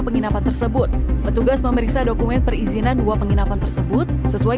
penginapan tersebut petugas memeriksa dokumen perizinan dua penginapan tersebut sesuai